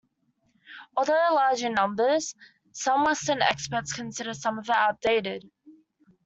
Although large in numbers, some Western experts consider some of it outdated.